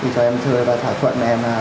cho em chơi và thỏa thuận em là